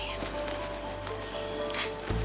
ya udah mama doain